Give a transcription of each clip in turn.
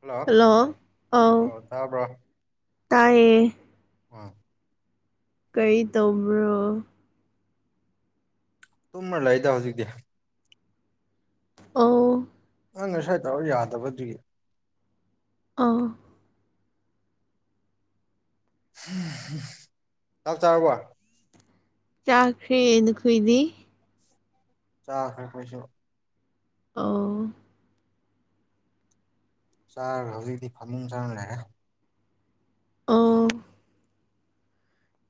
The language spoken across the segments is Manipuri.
ꯍꯜꯂꯣ ꯍꯂꯣ ꯑ ꯑꯣ ꯇꯥꯕ꯭ꯔꯣ ꯇꯥꯏꯌꯦ ꯑꯥ ꯀꯔꯤ ꯇꯧꯕ꯭ꯔꯣ ꯇꯨꯝꯃ ꯂꯩꯗ ꯍꯧꯖꯤꯛꯇꯤ ꯑꯧ ꯅꯪ ꯉꯁꯥꯏ ꯇꯧꯔ ꯌꯥꯗꯕꯗꯨꯒꯤ ꯑꯥ ꯆꯞ ꯆꯥꯔꯕ ꯆꯥꯛꯈ꯭ꯔꯦꯅ ꯑꯩꯈꯣꯏꯗꯤ ꯆꯥꯈ꯭ꯔ ꯑꯩꯈꯣꯏꯁꯨ ꯑ ꯆꯥꯔꯥꯒ ꯍꯧꯖꯤꯛꯇꯤ ꯐꯃꯨꯡ ꯆꯪꯂꯒ ꯂꯩꯔꯦ ꯑ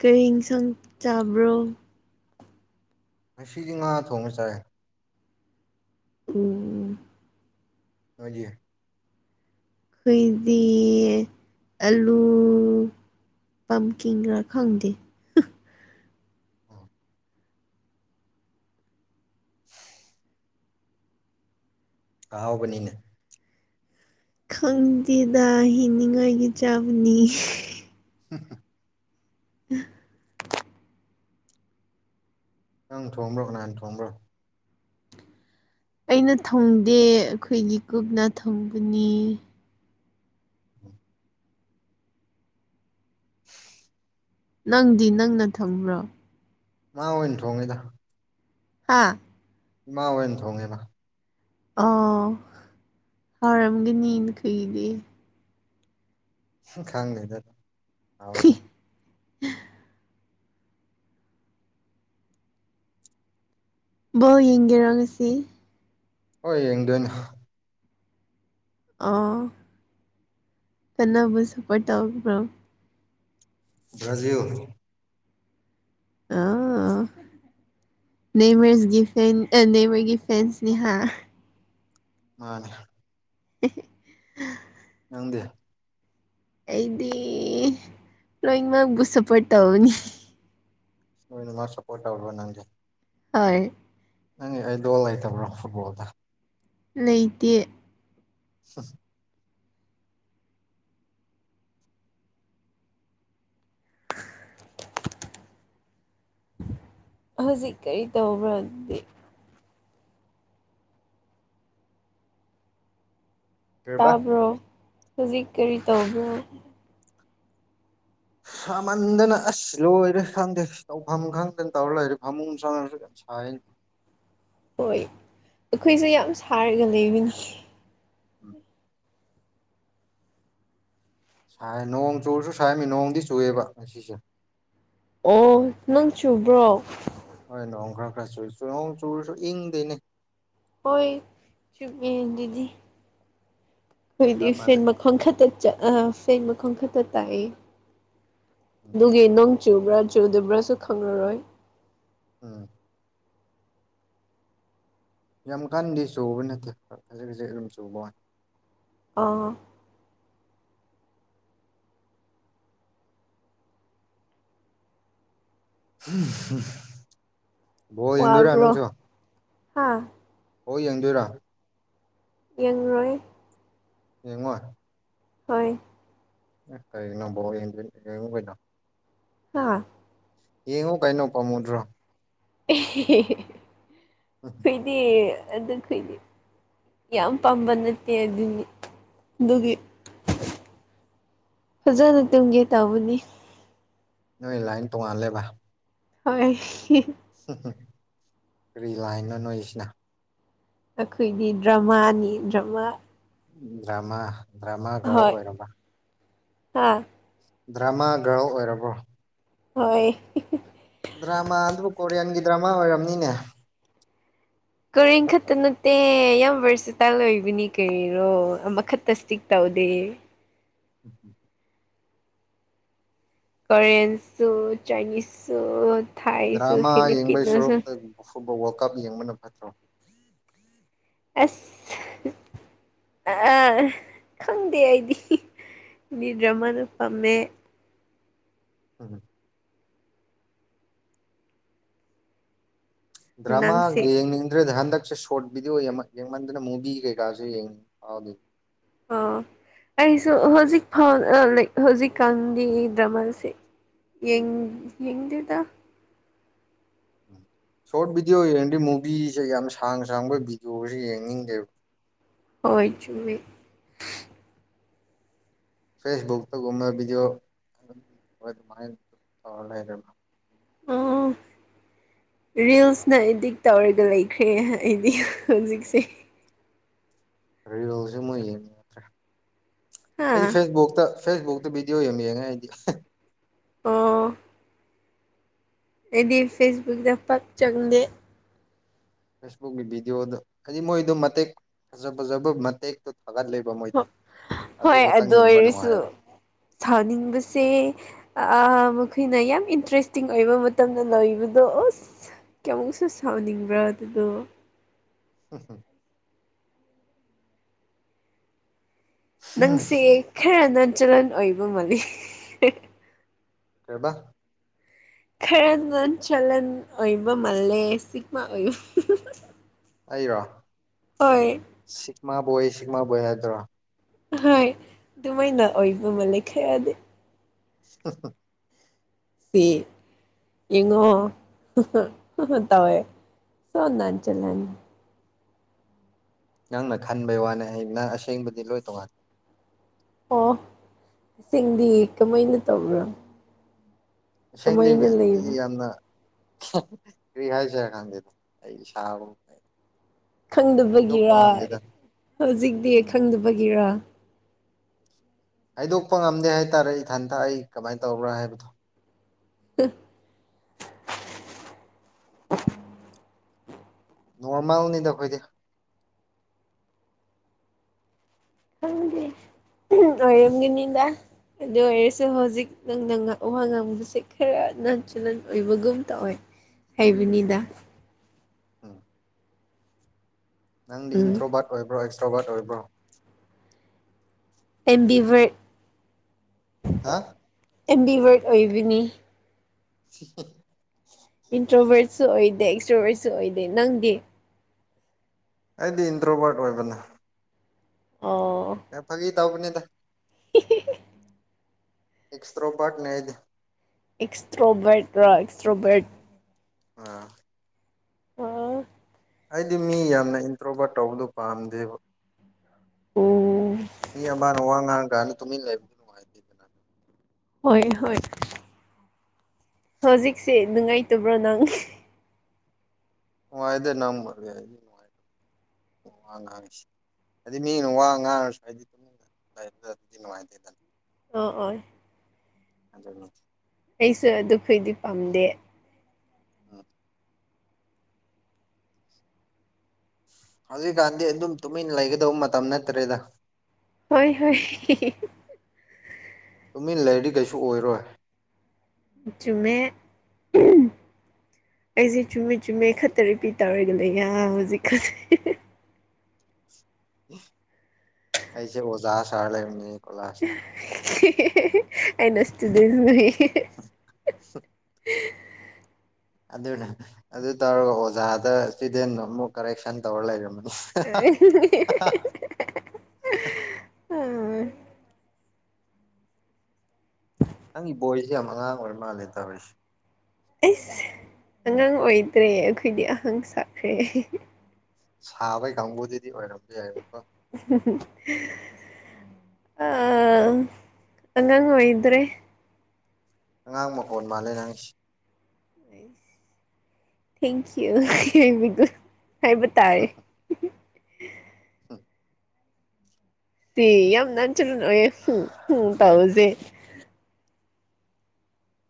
ꯀꯔꯤ ꯁꯪ ꯆꯥꯕ꯭ꯔꯣ ꯉꯁꯤꯗꯤ ꯉꯥ ꯊꯣꯡꯉ ꯆꯥꯏꯔꯦ ꯎꯝ ꯁꯖꯦ ꯈꯣꯏꯗꯤ ꯑꯂꯨ ꯄꯝꯀꯤꯡ ꯈꯔ ꯈꯪꯗꯦ ꯑꯍꯥꯎꯕꯅꯤꯅꯦ ꯈꯪꯗꯦꯗ ꯍꯤꯡꯅꯤꯡꯉꯥꯏꯒꯤ ꯆꯥꯕꯅꯤ [unintelligible] [unintelligible] ꯅꯪ ꯊꯣꯡꯕ꯭ꯔꯣ ꯀꯅꯥꯍꯅ ꯊꯣꯡꯕ꯭ꯔꯣ ꯑꯩꯅ ꯊꯪꯗꯦ ꯑꯩꯈꯣꯏꯒꯤ ꯀꯨꯞꯅ ꯊꯪꯕꯅꯤ ꯎꯝ ꯎ ꯅꯪꯗꯤ ꯅꯪꯅ ꯊꯝꯕ꯭ꯔꯣ ꯃꯥ ꯑꯣꯏꯅ ꯊꯣꯡꯉꯤꯗ ꯍꯥꯥ ꯏꯃꯥ ꯑꯣꯢꯅ ꯊꯣꯡ ꯑꯦꯕ ꯑꯥꯎ ꯍꯔꯝꯒꯅꯤꯅ ꯀꯩꯗꯤ ꯈꯪꯗꯦꯗ ꯍꯑꯣꯏꯗ [unintelligible] ꯕꯣ ꯌꯦꯡꯒꯦꯔꯣ ꯉꯁꯤ ꯍꯣꯏ ꯌꯦꯡꯗꯣꯏꯅ ꯑ ꯀꯟꯅꯕꯨ ꯁꯄꯣꯔꯠꯧ꯭ꯔꯣ ꯕ꯭ꯔꯥꯖꯤꯜ ꯑꯣ [inaudible] ꯅꯦꯃꯔꯁꯒꯤ ꯐꯦꯟ ꯅꯦꯕꯔꯒꯤ ꯐꯦꯟꯁꯅꯤꯍ ꯃꯥꯅꯦ [unintelligible] ꯅꯪꯗꯦ ꯑꯩꯗꯤ ꯂ꯭ꯔꯣꯌꯤꯡ ꯑꯃ ꯨꯁꯁꯥꯄꯔꯇ ꯍꯅꯤ ꯅꯣꯏꯅ ꯃꯥ ꯁꯄꫭꯠ ꯇꯧꯔꯕꯥ ꯅꯪꯗꯤ ꯑ ꯅꯪ ꯑꯩ ꯂꯣꯜ ꯂꯩꯇꯕ꯭ꯔꯣ ꯐꯨꯠꯕꯣꯜꯗ ꯂꯩꯇꯦ [unintelligible] ꯍꯧꯖꯤꯛ ꯀꯔꯤ ꯇꯧꯕ꯭ꯔꯗꯤ ꯀꯩꯕ ꯇꯥꯕ꯭ꯔꯣ ꯍꯧꯖꯤꯛ ꯀꯔꯤ ꯇꯧꯕ꯭ꯔꯣ ꯁꯥꯃꯟꯗꯅ ꯑꯁ ꯂꯣꯏꯔꯦ ꯈꯪꯗꯦ ꯇꯧꯐꯝ ꯈꯪꯗꯅ ꯇꯧꯔ ꯂꯩꯔꯦ ꯐꯃꯨꯡ ꯁꯪꯅꯔꯁꯨ [unintelligible] ꯍꯣꯏ ꯑꯩꯈꯣꯏꯁꯦ ꯌꯥꯝ ꯁꯥꯔꯒ ꯂꯩꯃꯤꯉ ꯎꯝ ꯥꯏ ꯅꯣꯡ ꯆꯨꯔꯁꯨ ꯁꯥꯏꯔꯝꯃꯤ ꯅꯣꯡꯗꯤ ꯆꯨꯑꯦꯕ ꯉꯁꯤꯁꯦ ꯑꯣ ꯅꯪ ꯆꯨꯕ꯭ꯔꯣ ꯍꯣꯏ ꯅꯣꯡ ꯈꯔ ꯈꯔ ꯆꯨꯁꯨ ꯅꯣꯡ ꯆꯨꯔꯁꯨ ꯏꯪꯗꯦꯅꯦ ꯍꯣꯏ ꯆꯗꯤ ꯑꯩꯈꯣꯏꯗꯤ ꯆꯞ ꯐꯦꯟ ꯃꯥꯟꯅꯩ ꯃꯈꯣꯡ ꯈꯛꯇ ꯑ ꯐꯦꯟ ꯃꯈꯣꯡ ꯈꯛꯇ ꯇꯥꯛꯏ ꯎꯝ ꯑꯗꯨꯒꯤ ꯅꯣꯡ ꯆꯨꯕ꯭ꯔꯥ ꯆꯨꯗꯕ꯭ꯔꯥꯁꯨ ꯈꯪꯂꯔꯣꯏ ꯎꯝ ꯌꯥꯝ ꯀꯥꯟꯅꯗꯤ ꯆꯨꯕ ꯅꯠꯇꯦ ꯈꯖꯤꯛ ꯈꯖꯤꯛ ꯑꯗꯨꯝ ꯆꯨꯕ ꯋꯥꯅꯤ ꯑꯥ ꯎꯝ ꯎ ꯋꯥꯕ꯭ꯔꯣ ꯍꯥ ꯍꯣꯏ ꯌꯦꯡꯗꯣꯏꯔꯥ ꯌꯦꯡꯂꯡꯔꯣꯏ ꯌꯦꯡꯉꯣ ꯍꯣꯏ ꯑꯦ ꯀꯩꯒꯤꯅꫭ ꯕꯣ ꯌꯦꯡꯗꯏ ꯀꯩꯅ ꯑꯥ ꯌꯦꯡꯉꯨ ꯀꯩꯅꯣ ꯄꯥꯝꯃꯨꯗ꯭ꯔꯣ ꯑꯦ ꯎ ꯩꯗꯤ ꯑꯗꯨꯈꯣꯏꯗꯤ ꯌꯥꯝ ꯄꯥꯝꯕ ꯅꯠꯇꯦ ꯑꯗꯨꯅꯤ ꯑꯗꯨꯒꯤ ꯐꯖꯅ ꯇꯨꯝꯒꯦ ꯇꯕꯨꯅꯤ ꯅꯣꯏ ꯂꯥꯏꯟ ꯇꯣꯉꯥꯜꯂꯦꯕ ꯍꯣꯏ ꯎ ꯀꯔꯤ ꯂꯥꯏꯅꯣ ꯅꯣꯏꯁꯤꯅ ꯑꯩꯈꯣꯏꯗꯤ ꯗ꯭ꯔꯃꯥꯅꯤ ꯗ꯭ꯔꯃꯥ ꯗ꯭ꯔꯃꯥ ꯗ꯭ꯔꯃꯥ ꯈꯔ ꯑꯣꯏꯔꯕ ꯍꯥꯥ ꯗ꯭ꯔꯃꯥ ꯒ ꯑꯣꯏꯔꯕ꯭ꯔꯣ ꯍꯣꯏ ꯗ꯭ꯔꯃꯥ ꯑꯗꯨꯕꯨ ꯀꯣꯔꯤꯌꯥꯟꯒꯤ ꯗ꯭ꯔꯃꯥ ꯑꯣꯏꯔꯝꯅꯤꯅꯦ ꯀꯣꯔꯦꯟ ꯈꯛꯇ ꯅꯠꯇꯦ ꯌꯥꯝ ꯚꯔꯁꯤꯇꯥꯏꯜ ꯑꯣꯏꯕꯅꯤ ꯀꯔꯤꯔꯣ ꯑꯃꯈꯛꯇ ꯏꯁꯇꯤꯛ ꯇꯧꯗꯦ ꯎꯝ ꯎꯝ ꯀꯣꯔꯤꯌꯦꯟꯁꯨ ꯆꯥꯏꯅꯤꯁꯁꯨ ꯊꯥꯏꯁꯨ ꯗ꯭ꯔꯃꯥ ꯌꯦꯡꯕꯒꯤ ꯐꯤꯂꯤꯄꯤꯅꯣꯁꯨ ꯁꯣꯔꯨꯇ ꯑꯐꯨꯕꯥꯜ ꯋꯥꯋꯔꯜꯀꯞ ꯌꯦꯡꯕꯅ ꯐꯠꯇ꯭ꯔꯣ ꯑꯁ ꯑꯥ ꯈꯪꯗꯦ ꯑꯩꯗꯤ [unintelligible] [unintelligible] ꯗ꯭ꯔꯥꯃ ꯅꯪꯁꯦ ꯌꯦꯡꯅꯤꯗ꯭ꯔꯦꯗ ꯍꯟꯗꯛꯁꯦ ꯁꯣꯠ ꯕꯤꯗꯤꯑꯣꯡ ꯌꯦꯡꯃꯟ ꯌꯦꯡꯃꯟꯗꯅ ꯃꯨꯚꯤ ꯀꯩꯀꯥꯥꯁꯦ ꯌꯦꯡ [unintelligible] ꯐꯥꯎꯗꯦ ꯑꯣ ꯑꯩꯁꯨ ꯍꯧꯖꯤꯛ ꯐꯥꯎ [unintelligible] ꯍꯧꯖꯤꯛꯀꯥꯟꯗꯤ ꯗ꯭ꯔꯃꯥꯁꯦ ꯌꯦꯡ ꯌꯦꯡꯗꯦꯗ ꯁꯣꯔꯠ ꯚꯤꯗꯤꯑꯣ ꯌꯦꯡꯗꯤ ꯃꯨꯕꯤꯁꯦ ꯌꯥꯝꯅ ꯁꯥꯡ ꯁꯥꯡꯕ ꯚꯤꯗꯤꯑꯣꯁꯦ ꯌꯦꯡꯅꯤꯡꯗꯦꯕ ꯍꯣꯏ ꯆꯨꯝꯃꯤ ꯐꯦꯁꯕꯨꯛꯇꯒꯨꯝꯕ ꯚꯤꯗꯤꯑꯣ ꯑꯗꯨꯝ ꯑꯗꯨꯃꯥꯏꯅ ꯇꯧꯔ ꯂꯩꯔꯦꯕ ꯑꯥ ꯔꯤꯜꯁꯅ ꯑꯦꯗꯤꯛ ꯇꯧꯔꯒ ꯂꯩꯈ꯭ꯔꯦ ꯑꯩꯗꯤ ꯍꯧꯖꯤꯛꯁꯦ ꯔꯤꯜꯁꯨ ꯃꯣꯏ ꯌꯦꯡ ꯍꯥ ꯑꯩ ꯐꯦꯁꯕꯨꯛꯇ ꯐꯦꯁꯕꯨꯛꯇ ꯕꯤꯗꯤꯑꯣ ꯌꯥꯝ ꯌꯦꯡꯉꯦ ꯑꯩꯗꯤ ꯑꯣ ꯑꯩꯗꯤ ꯐꯦꯁꯕꯨꯛꯇ ꯄꯥꯛ ꯆꯪꯗꯦ ꯐꯦꯁꯕꯨꯛꯀꯤ ꯚꯤꯗꯤꯑꯣꯗ ꯍꯥꯏꯗꯤ ꯃꯣꯏꯗꯣ ꯃꯇꯦꯛ ꯐꯖ ꯐꯖꯕ ꯃꯇꯦꯛꯇꯣ ꯊꯥꯒꯠꯂꯦ [unintelligible] ꯑꯗꯨ ꯈꯛꯇꯪ ꯌꯦꯡꯕ ꯅꯨꯡꯉꯥꯏꯌꯦꯕ ꯊꯥꯅꯤꯡꯕꯁꯦ ꯑꯥ ꯃꯈꯣꯏꯅ ꯌꯥꯝ ꯏꯟꯇꯔꯦꯁꯇꯤꯡ ꯑꯣꯏꯕ ꯃꯇꯝꯗ ꯂꯣꯏꯕꯗꯣ ꯑꯨꯁ ꯀꯌꯥꯃꯨꯛꯁꯨ ꯁꯥꯎꯅꯤꯡꯕ꯭ꯔꯥ ꯑꯗꯨꯗꯨ [unintelligible] ꯅꯪꯁꯦ ꯈꯔ ꯅꯟ ꯆꯂꯟ ꯑꯣꯏꯕ ꯃꯥꯜꯂꯤ ꯀꯩꯕꯥ ꯈꯔ ꯅꯟ ꯆꯂꯟ ꯑꯣꯏꯕ ꯃꯥꯜꯂꯦ ꯁꯤꯛꯃꯥ ꯑꯣꯏꯕ ꯑꯩꯔꯣ ꯍꯣꯏ ꯁꯤꯛꯃꯥ ꯕꯣꯏ ꯁꯤꯛꯃꯥ ꯕꯣꯏ ꯍꯥꯏꯗ꯭ꯔꯣ ꯍꯣꯏ ꯑꯗꯨꯃꯥꯏꯅ ꯑꯣꯏꯕ ꯃꯥꯜꯂꯤ ꯈ꯭ꯔꯗꯤ [unintelligible] ꯄꯦ ꯌꯦꯡꯉꯣ [unintelligible] ꯇꯧꯋꯦ ꯁꯣ ꯅꯟ ꯆꯂꯟ ꯅꯪꯅ ꯈꯟꯕꯩ ꯋꯥꯅꯦ ꯍꯌꯦꯡ ꯅꯪ ꯑꯁꯦꯡꯕꯗꯤ ꯂꯣꯏ ꯇꯣꯡꯉꯥ ꯑꯣ ꯏꯁꯤꯡꯗꯤ ꯀꯃꯥꯏꯅ ꯇꯧꯕ꯭ꯔꯣ ꯀꯃꯥꯏꯅ [unintelligible] ꯇꯗꯤ ꯂꯩꯕ ꯌꯥꯝꯅ ꯀ꯭ꯔꯤ ꯍꯥꯏꯁꯤꯔꯥ ꯈꯪꯗꯦꯗ ꯑꯩ ꯏꯁꯥꯃꯛ ꯈꯪꯗꯕꯒꯤꯔ ꯍꯧꯖꯤꯛꯇꯤ ꯈꯪꯗꯕꯒꯤꯔ ꯍꯥꯏꯗꯣꯛꯄ ꯉꯝꯗꯦ ꯍꯥꯏꯇꯥꯔꯦ ꯏꯊꯟꯇ ꯑꯩ ꯀꯃꯥꯏꯟ ꯇꯧꯕ꯭ꯔꯥ ꯍꯥꯏꯕꯗꯣ [unintelligible] ꯅꯣꯔꯃꯦꯜꯅꯤꯗ ꯑꯩꯈꯣꯏꯗꯤ ꯈꯪꯗꯦ [unintelligible] ꯑꯗꯨ ꯑꯣꯏꯔꯁꯨ ꯍꯧꯖꯤꯛ ꯅꯪꯅ ꯉꯥ ꯋꯥ ꯉꯥꯡꯕꯁꯦ ꯈꯔ ꯅꯟ ꯆꯂꯟ ꯑꯣꯏꯕꯒꯨꯝ ꯇꯧꯋꯦ ꯍꯩꯕꯅꯤꯗ ꯎꯝ ꯅꯪꯗꯤ ꯎꯝ ꯏꯟꯇ꯭ꯔꯣꯕꯠ ꯑꯣꯏꯕ꯭ꯔꯣ ꯑꯦꯛꯁꯇ꯭ꯔꯣꯕꯠ ꯑꯣꯏꯕ꯭ꯔꯣ ꯑꯦꯝꯕꯤꯚꯔꯠ ꯍꯥ ꯑꯦꯝꯕꯤꯚꯔꯠ ꯑꯣꯏꯕꯅꯤ [unintelligible] ꯏꯟꯇ꯭ꯔꯣꯚꯔꯠꯁꯨ ꯑꯣꯏꯗꯦ ꯑꯦꯛꯁꯇ꯭ꯔꯣꯚꯔꯠꯁꯨ ꯑꯣꯏꯗꯦ ꯅꯪꯗꯤ ꯑꯩꯗꯤ ꯏꯟꯇ꯭ꯔꯣꯕꯠ ꯑꯣꯏꯕꯅꯦ ꯑꯣ [unintelligible] ꯐꯥꯒꯤ ꯇꯧꯕꯅꯤꯗ [unintelligible] ꯑꯦꯛꯁꯇ꯭ꯔꯣꯕꯠꯅꯦ ꯑꯩꯗꯤ ꯑꯦꯛꯁꯇ꯭ꯔꯣꯕꯔꯠ ꯔ ꯑꯦꯛꯁꯇ꯭ꯔꯣꯕꯔꯠ ꯑꯥ ꯑꯣ ꯍꯥꯏꯗꯤ ꯃꯤ ꯌꯥꯝꯅ ꯏꯟꯇ꯭ꯔꯣꯕꯠ ꯇꯧꯕꯗꯨ ꯄꯥꯝꯗꯦꯕ ꯎꯝ ꯃꯤ ꯑꯃꯅ ꯋꯥ ꯉꯥꯡꯉꯀꯥꯜ ꯇꯨꯃꯤꯟ ꯂꯩꯕꯗꯨ ꯅꯨꯡꯉꯥꯏꯇꯦꯕ ꯍꯣꯏ ꯍꯣꯏ ꯍꯧꯖꯤꯛꯁꯦ ꯅꯨꯡꯉꯥꯏꯇꯕ꯭ꯔꯣ ꯅꯪ ꯅꯨꯡꯉꯥꯏꯗ ꯅꯪꯕꯨꯗꯤ ꯑꯩꯗꯤ ꯅꯨꯡꯉꯥꯏ ꯋꯥ ꯉꯥꯡꯉꯤꯁꯤ ꯍꯥꯏꯗꯤ ꯃꯤꯅ ꯋꯥ ꯉꯥꯡꯉꯁꯨ ꯍꯥꯏꯗꯤꯕ ꯑꯗꯨꯗꯤ ꯅꯨꯡꯉꯥꯏꯇꯦꯗꯅ ꯑꯣ ꯑꯣꯏ ꯑꯗꯨꯅꯤ ꯑꯩꯁꯨ ꯑꯗꯨꯈꯣꯏꯗꯤ ꯄꯥꯝꯗꯦ ꯑꯥ ꯍꯧꯖꯤꯛꯀꯥꯟꯗꯤ ꯑꯗꯨꯝ ꯇꯨꯃꯤꯟ ꯂꯩꯒꯗꯧꯕ ꯃꯇꯝ ꯅꯠꯇ꯭ꯔꯦꯗ ꯍꯣꯏ ꯍꯣꯏ [unintelligible] ꯇꯨꯃꯤꯟ ꯂꯩꯔꯗꯤ ꯀꯩꯁꯨ ꯑꯣꯏꯔꯣꯏ ꯆꯨꯝꯃꯦ [unintelligible] ꯑꯩꯁꯦ ꯆꯨꯝꯃꯦ ꯆꯨꯝꯃꯦ ꯈꯛꯇ ꯔꯤꯄꯤꯠ ꯇꯧꯔꯒ ꯂꯩ ꯌꯥꯝ ꯍꯧꯖꯤꯛ ꯈ ꯑꯩꯁꯦ ꯑꯣꯖꯥ ꯁꯥꯔ ꯂꯩꯅꯤꯀꯣ ꯂꯥꯁꯇ [unintelligible] ꯑꯩꯅ ꯏꯁꯇꯨꯗꯦꯟ ꯑꯣꯢꯌꯦ [inaudible] ꯑꯗꯨꯅ ꯑꯗꯨ ꯇꯧꯔꯒ ꯑꯣꯖꯥꯗ ꯏꯁꯇꯨꯗꯦꯟ ꯑꯃꯨꯛ ꯀꯔꯦꯛꯁꯟ ꯇꯧꯔ ꯂꯩꯔꯝꯕꯅꯤ [unintelligible] ꯅꯪꯒꯤ ꯕꯣꯏꯁꯁꯤ ꯌꯥꯝ ꯑꯉꯥꯡ ꯑꯣꯏꯔ ꯃꯥꯜꯂꯦ ꯇꯥꯔꯔꯤꯁꯦ ꯑꯩꯁ ꯑꯉꯥꯡ ꯑꯣꯏꯗ꯭ꯔꯦ ꯑꯩꯈꯣꯏꯗꯤ ꯑꯍꯥꯟ ꯁꯥꯈ꯭ꯔꯦ ꯁꯥꯕꯩ ꯀꯥꯡꯕꯨꯗꯨꯗꯤ ꯑꯣꯏꯔꯝꯕ ꯌꯥꯏꯕꯀꯣ ꯑꯥ ꯑꯥ ꯑꯉꯥꯡ ꯑꯣꯏꯗ꯭ꯔꯦ ꯑꯉꯥꯡ ꯃꯈꯣꯜ ꯃꯥꯜꯂꯦ ꯅꯪꯁꯤ ꯊꯦꯡꯀ꯭ꯌꯨ ꯍꯥꯏꯕ ꯇꯥꯔꯦ [unintelligible] ꯁꯤ ꯌꯥꯝ ꯅꯦꯆꯔꯦꯜ ꯑꯣꯏꯌꯦ [unintelligible] ꯇꯧꯁꯦ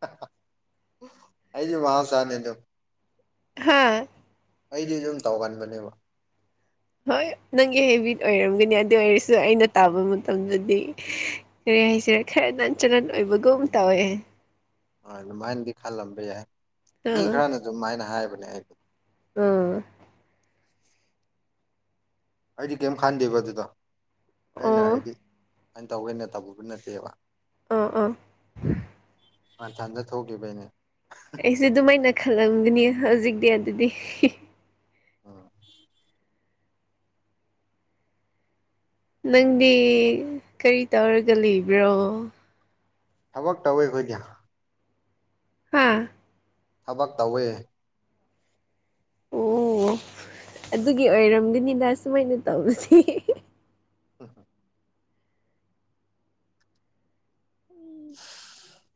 [unintelligible] ꯑꯩꯗꯤ ꯃꯥꯍꯣꯏꯁꯅꯦ ꯑꯗꯨꯝ ꯍꯥꯥ ꯑꯩꯗꯤ ꯑꯗꯨꯝ ꯇꯧꯒꯟꯕꯅꯦꯕ ꯍꯣꯏ ꯅꯪꯒꯤ ꯍꯦꯕꯤꯠ ꯑꯣꯏꯔꯝꯒꯅꯤ ꯑꯗꯨ ꯑꯣꯏꯔꯁꯨ ꯑꯩꯅ ꯇꯥꯕ ꯃꯇꯝꯗꯗꯤ ꯀꯔꯤ ꯍꯥꯏꯁꯤꯔ ꯈꯔ ꯅꯦꯆꯔꯦꯜ ꯑꯣꯏꯕꯒꯨꯝ ꯑꯃ ꯇꯧꯋꯦ ꯍꯥ ꯑꯗꯨꯃꯥꯏꯅꯗꯤ ꯈꯜꯂꯝꯕ ꯌꯥꯏ ꯃꯤ ꯑꯥ ꯈꯔꯅꯖꯨ ꯑꯗꯨꯃꯥꯏꯅ ꯍꯥꯏꯕꯅꯦ ꯑꯩꯕꯨ ꯑꯣ ꯑꯩꯗꯤ ꯀꯩꯝ ꯈꯥꯟꯗꯦꯕ ꯑꯗꯨꯗꯣ ꯑꯩꯅ ꯑꯣ ꯍꯥꯏꯗꯤ ꯑꯩꯅ ꯇꯧꯒꯦꯅ ꯇꯧꯔꯨꯕ ꯅꯠꯇꯦꯕ ꯑꯣ ꯑꯣ ꯃꯊꯟꯗ ꯊꯣꯛꯈꯤꯕꯩꯅꯦ ꯑꯩꯁꯨ ꯑꯗꯨꯃꯥꯏꯅ ꯈꯜꯂꯝꯒꯅꯤ ꯍꯧꯖꯤꯛꯇꯤ ꯑꯗꯨꯗꯤ ꯑꯥ ꯅꯪꯗꯤ ꯀꯔꯤ ꯇꯧꯔꯒ ꯂꯩꯕ꯭ꯔꯣ ꯊꯕꯛ ꯇꯧꯋꯤ ꯑꯩꯈꯣꯏꯗꯤ ꯍꯥꯥ ꯊꯕꯛ ꯇꯧꯋꯦ ꯑꯣ ꯑꯗꯨꯒꯤ ꯑꯣꯏꯔꯝꯒꯅꯤꯗ ꯁꯨꯃꯥꯏꯅ ꯇꯧꯕꯁꯦ ꯍꯝ ꯍꯝ [unintelligible]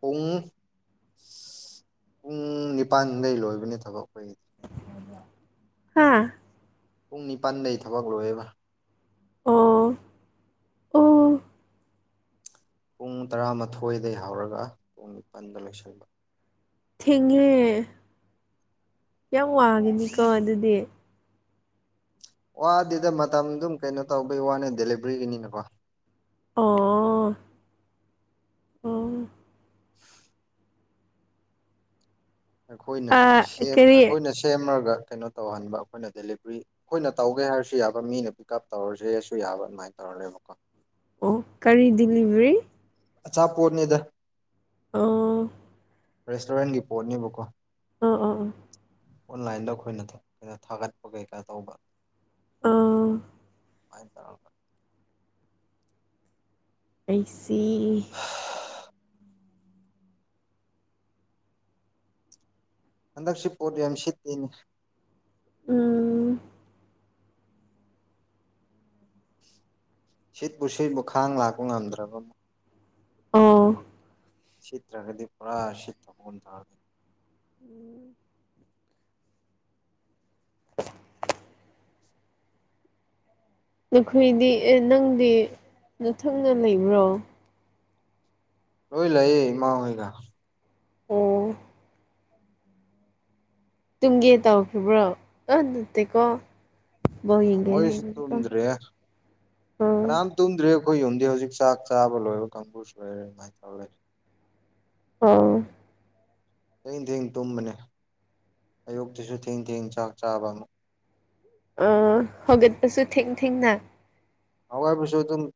ꯄꯨꯡ ꯄꯨꯡ ꯅꯤꯄꯥꯟꯗꯩ ꯂꯣꯏꯕꯅꯦ ꯊꯕꯛ ꯑꯩꯈꯣꯏꯒꯤꯗꯤ ꯍꯥꯥ ꯄꯨꯡ ꯅꯤꯄꯥꯟꯗꯩ ꯊꯕꯛ ꯂꯣꯏꯦꯕ ꯑꯣ ꯑꯣ ꯄꯨꯡ ꯇꯔꯥꯃꯥꯊꯣꯏꯗ ꯍꯧꯔꯒ ꯄꯨꯡ ꯅꯤꯄꯜꯗ ꯂꯣꯏꯁꯤꯟꯕ ꯊꯦꯡꯉꯦ ꯌꯥꯝ ꯋꯥꯡꯉꯦꯅꯤꯀꯣ ꯑꯗꯨꯗꯤ ꯋꯥꯗꯤꯗ ꯃꯇꯝ ꯑꯗꯨꯝ ꯀꯩꯅꯣ ꯇꯧꯕꯩ ꯋꯥꯅꯦ ꯗꯦꯂꯤꯕꯔꯤꯒꯤꯅꯤꯅꯀꯣ ꯑꯣ ꯑꯣ ꯑꯩꯈꯣꯏꯅ ꯑꯥ ꯀꯔꯤ ꯑꯩꯈꯣꯏꯅ ꯁꯦꯝꯃꯒ ꯀꯩꯅꯣ ꯇꯧꯍꯟꯕ ꯑꯩꯈꯣꯏꯅ ꯗꯦꯂꯤꯕꯔꯤ ꯑꯩꯈꯣꯏꯅ ꯇꯧꯒꯦ ꯍꯥꯏꯔꯁꯨ ꯌꯥꯕ ꯃꯤꯅ ꯄꯤꯛ ꯎꯞ ꯇꯧꯔꯁꯦ ꯍꯥꯏꯔꯁꯨ ꯌꯥꯕ ꯑꯗꯨꯃꯥꯏꯅ ꯇꯧꯔ ꯂꯩꯦꯕꯀꯣ ꯑꯣ ꯀꯔꯤ ꯗꯤꯂꯤꯚꯔꯤ ꯑꯆꯥꯄꯣꯠꯅꯦꯗ ꯑ ꯔꯦꯁꯇꯨꯔꯦꯟꯒꯤ ꯄꯣꯠꯅꯦꯕꯀꯣ ꯑꯥ ꯑꯣ ꯑꯣꯥ ꯑꯣꯟꯂꯥꯏꯟꯗ ꯑꯩꯈꯣꯏꯅ ꯊꯥꯒꯠꯄ ꯀꯩꯀꯥ ꯇꯧꯕ ꯑꯥ ꯍꯥꯏ ꯇꯔ ꯑꯩꯁꯤ ꯍꯟꯗꯛꯁꯤ ꯄꯣꯠ ꯌꯥꯝ ꯁꯤꯠꯇꯦꯅꯤ ꯎꯝ ꯁꯤꯠꯄꯨ ꯁꯤꯠꯕꯨ ꯈꯥꯡ ꯂꯥꯛꯄ ꯉꯝꯗ꯭ꯔꯕ ꯑꯃ ꯑꯣ ꯁꯤꯠꯇ ꯔꯒꯗꯤ ꯄꯨꯔꯥ ꯁꯤꯠꯇ ꯊ ꯐꯅ ꯇꯥꯔꯦ ꯎꯝ [inaudible] ꯅꯈꯣꯏꯗꯤ ꯑꯦ ꯅꯪꯗꯤ ꯅꯊꯪꯅ ꯂꯩꯕ꯭ꯔꯣ ꯂꯣꯏ ꯂꯌꯦ ꯏ ꯃꯥ ꯍꯒ ꯑꯣ ꯇꯨꯡꯒꯦ ꯇꯧꯈꯤꯕ꯭ꯔꯣ ꯑ ꯅꯠꯇꯦꯀꯣ ꯕꯣꯜ ꯑ ꯌꯦꯡꯒꯦ ꯃꯣꯏꯁꯤ ꯍꯥꯏꯕꯅꯤꯀꯣ ꯇꯗ꯭ꯔꯔꯤ ꯑꯣ ꯀꯝ ꯇꯨꯝꯗ꯭ꯔꯦ ꯑꯩꯈꯣꯏ ꯌꯨꯝꯗꯤ ꯍꯧꯖꯤꯛ ꯆꯥꯛ ꯆꯥꯕ ꯂꯣꯏꯔꯣ ꯀꯥꯡꯕꯨꯁ ꯂꯣꯏꯔꯦ ꯑꯗꯨꯃꯥꯏꯅ ꯇꯧꯔ ꯂꯩꯔꯦ ꯑ ꯊꯦꯡ ꯊꯦꯡ ꯇꯨꯝꯕꯅꯦ ꯑꯌꯨꯛꯇꯤꯁꯨ ꯊꯦꯡ ꯊꯦꯡ ꯆꯥꯛ ꯆꯥꯕ ꯑꯃ ꯍꯧꯒꯠꯄꯁꯨ ꯊꯦꯡ ꯊꯦꯡꯅ ꯑꯋꯥꯣꯏꯕꯁꯨ ꯑꯗꯨꯝ